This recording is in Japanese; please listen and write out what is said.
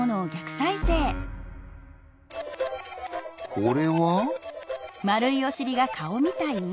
これは？